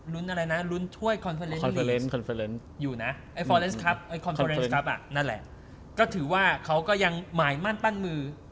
รุ้นอะไรน่ะรุ้นถ้วยอยู่น่ะอ่ะนั่นแหละก็ถือว่าเขาก็ยังหมายมั่นปั้นมือ